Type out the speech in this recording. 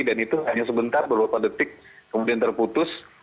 dan itu hanya sebentar beberapa detik kemudian terputus